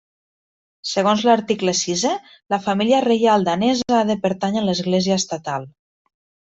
Segons l'article sisè, la família reial danesa ha de pertànyer a l'església estatal.